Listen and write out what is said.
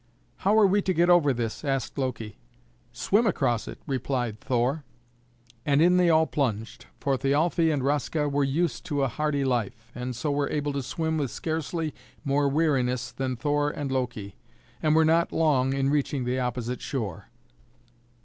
"How are we to get over this?" asked Loki. "Swim across it," replied Thor. And in they all plunged, for Thialfe and Raska were used to a hardy life, and so were able to swim with scarcely more weariness than Thor and Loki, and were not long in reaching the opposite shore.